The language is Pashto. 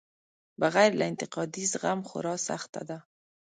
بغیر له انتقادي زغم خورا سخته ده.